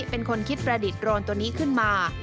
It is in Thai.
เป็นคนคิดประดิษฐ์โรนตัวนี้ขึ้นมา